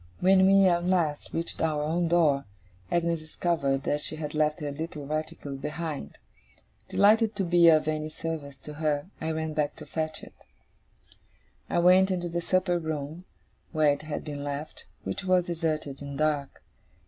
When we, at last, reached our own door, Agnes discovered that she had left her little reticule behind. Delighted to be of any service to her, I ran back to fetch it. I went into the supper room where it had been left, which was deserted and dark.